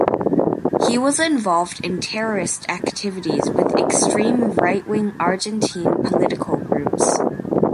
He was involved in terrorist activities with extreme right-wing Argentine political groups.